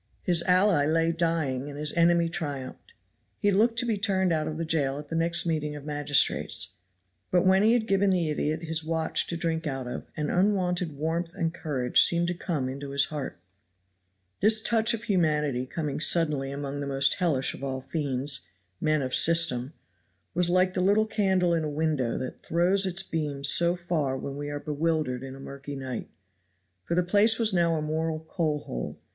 His ally lay dying and his enemy triumphed. He looked to be turned out of the jail at the next meeting of magistrates. But when he had given the idiot his watch to drink out of an unwonted warmth and courage seemed to come into his heart. This touch of humanity coming suddenly among the most hellish of all fiends men of system was like the little candle in a window that throws its beams so far when we are bewildered in a murky night. For the place was now a moral coal hole.